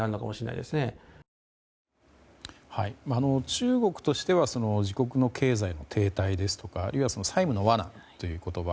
中国としては自国の経済の停滞ですとかあるいは債務の罠という言葉